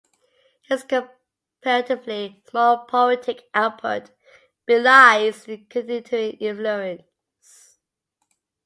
His comparatively small poetic output belies its continuing influence.